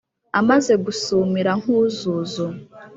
Amaze gusumira Nkuzuzu